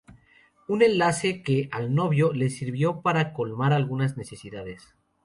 Un enlace que, al novio, le sirvió para colmar algunas necesidades.